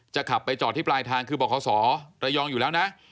ขับไปจอดที่ปลายทางคือบอกขอสอระยองอยู่แล้วนะ